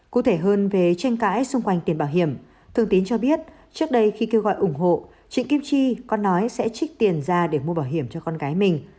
cụ thể hơn về tranh cãi xung quanh tiền bảo hiểm thương tín cho biết trước đây khi kêu gọi ủng hộ chị kim chi có nói sẽ trích tiền ra để mua bảo hiểm cho con gái mình